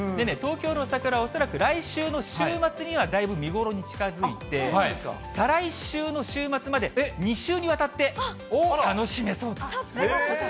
東京の桜は恐らく来週の週末にはだいぶ見頃に近づいて、再来週の週末まで２週にわたって楽しめそうと。